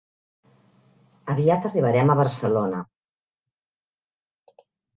Aviat arribarem a Barcelona.